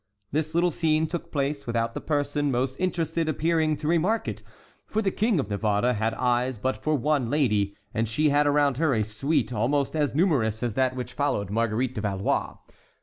This little scene took place without the person most interested appearing to remark it, for the King of Navarre had eyes but for one lady, and she had around her a suite almost as numerous as that which followed Marguerite de Valois.